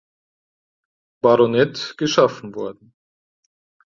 Baronet geschaffen worden.